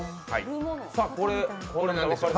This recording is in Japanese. これ、何でしょう？